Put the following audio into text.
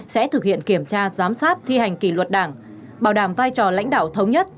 sẽ thực hiện kiểm tra giám sát thi hành kỷ luật đảng bảo đảm vai trò lãnh đạo thống nhất